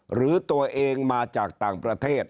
หรือตัวเองมาจากต่างประเทศ